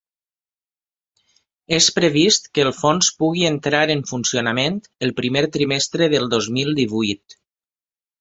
És previst que el fons pugui entrar en funcionament el primer trimestre del dos mil divuit.